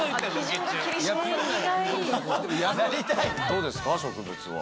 どうですか？